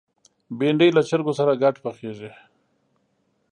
بېنډۍ له چرګو سره ګډ پخېږي